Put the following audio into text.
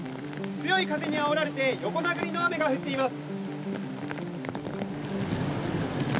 強い風にあおられて横殴りの雨が降っています。